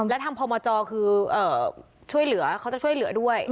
และทางพมจคือช่วยเหลือเขาจะช่วยเหลือด้วย